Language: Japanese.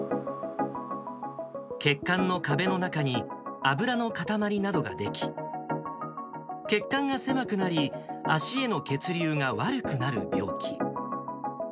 血管の壁の中に脂の塊などができ、血管が狭くなり、足への血流が悪くなる病気。